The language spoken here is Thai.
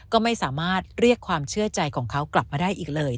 ก็ไม่สามารถเรียกความเชื่อใจของเขากลับมาได้อีกเลย